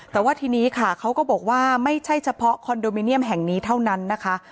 แต่ว่าทีนี้ค่ะเขาก็บอกว่าไม่ใช่เฉพาะคอนโดมิเนียมแห่งนี้เท่านั้นนะคะ